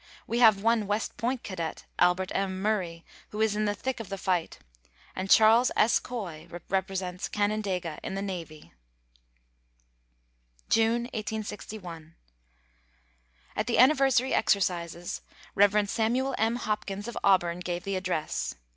We have one West Point cadet, Albert M. Murray, who is in the thick of the fight, and Charles S. Coy represents Canandaigua in the navy. [Illustration: The Ontario Female Seminary] June, 1861. At the anniversary exercises, Rev. Samuel M. Hopkins of Auburn gave the address.